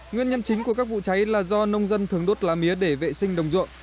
nguyên nhân chính của các vụ cháy là do nông dân thường đốt lá mía để vệ sinh đồng ruộng